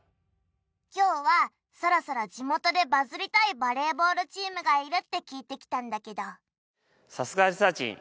今日はそろそろ地元でバズりたいバレーボールチームがいるって聞いてきたんだけどさすがリサーちん